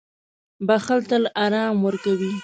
• بښل تل آرام ورکوي.